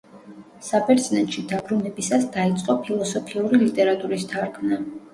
საბერძნეთში დაბრუნებისას დაიწყო ფილოსოფიური ლიტერატურის თარგმნა.